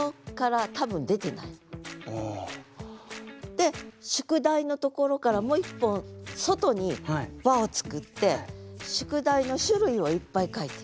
で宿題のところからもう１本外に輪を作って宿題の種類をいっぱい書いていく。